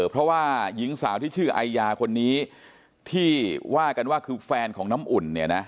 เพราะว่าหญิงสาวที่ชื่อไอยาคนนี้ที่ว่ากันว่าคือแฟนของน้ำอุ่นเนี่ยนะ